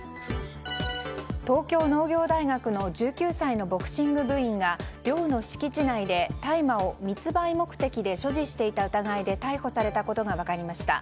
東京農業大学の１９歳のボクシング部員が寮の敷地内で、大麻を密売目的で所持していた疑いで逮捕されたことが分かりました。